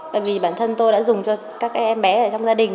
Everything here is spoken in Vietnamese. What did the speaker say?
bởi vì bản thân tôi đã dùng cho các em bé ở trong gia đình